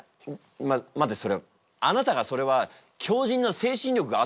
ま待てそれは。あなたがそれは強じんな精神力があったからじゃないか？